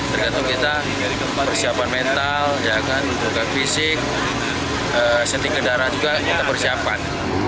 tergantung kita persiapan mental fisik kendaraan juga kita persiapan